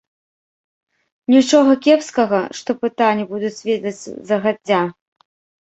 Нічога кепскага, што пытанні будуць ведаць загадзя.